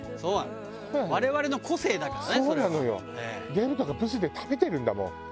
デブとかブスで食べてるんだもん。